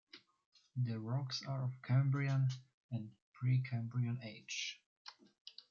The rocks are of Cambrian and Precambrian age.